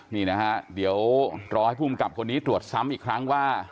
นี่นะฮะเดี๋ยวรอให้ภูมิกับคนนี้ตรวจซ้ำอีกครั้งว่า